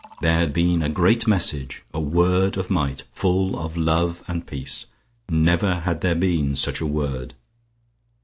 There had been a Great Message, a Word of Might, full of Love and Peace. Never had there been such a Word....